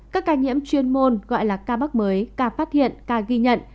các ca nhiễm chuyên môn gọi là ca mắc mới ca phát hiện ca ghi nhận